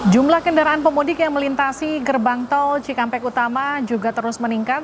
jumlah kendaraan pemudik yang melintasi gerbang tol cikampek utama juga terus meningkat